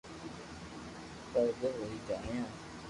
ڀوکو ھوئي جايو